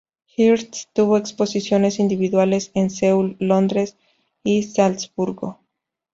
Hirst tuvo exposiciones individuales en Seúl, Londres y Salzburgo.